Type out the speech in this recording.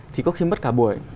thì có khi mất cả buổi